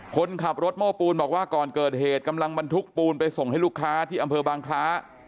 คนขับรถโม้ปูนบอกว่าก่อนเกิดเหตุกำลังบรรทุกปูนไปส่งให้ลูกค้าที่อำเภอบางคล้า